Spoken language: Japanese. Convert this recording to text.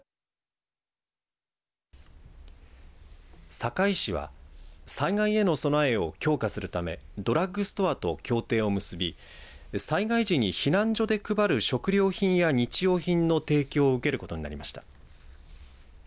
坂井市は災害への備えを強化するためドラッグストアと協定を結び災害時に避難所で配る食料品や日用品の提供を受けることになりました。